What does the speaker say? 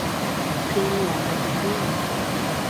พรีเมียร์ มาร์เก็ตติ้ง